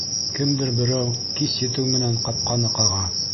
Кемдер берәү кис етеү менән ҡапҡаны ҡаға.